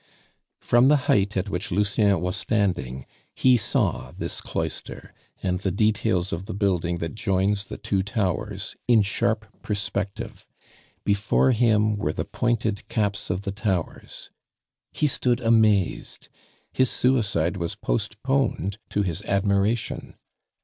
From the height at which Lucien was standing he saw this cloister, and the details of the building that joins the two towers, in sharp perspective; before him were the pointed caps of the towers. He stood amazed; his suicide was postponed to his admiration.